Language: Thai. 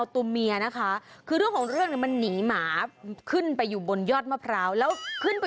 เดี๋ยวแบบนี้แมวของมาเนี่ย